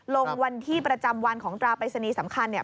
ลงวันที่ประจำวันของตราปริศนีย์สำคัญเนี่ย